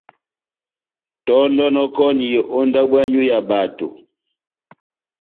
Tɔ́ndɔnɔkɔni ó ndábo yanywu ya bato.